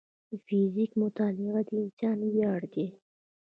د فزیک مطالعه د انسان ویاړ دی.